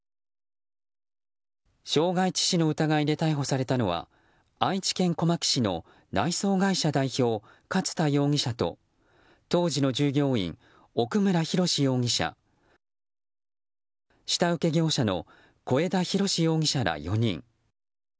傷害致死の疑いで逮捕されたのは愛知県小牧市の内装会社代表、勝田容疑者と当時の従業員、奥村博容疑者下請け業者の小枝浩志容疑者ら４人。